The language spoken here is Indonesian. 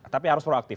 tapi harus proaktif